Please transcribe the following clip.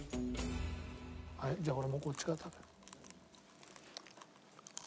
じゃあ俺もこっちから。